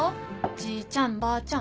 じいちゃんばあちゃん。